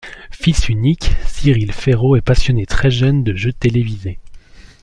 Fils unique, Cyril Féraud est passionné très jeune de jeux télévisés.